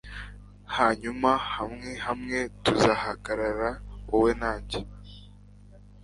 hanyuma hamwe hamwe tuzahagarara, wowe na njye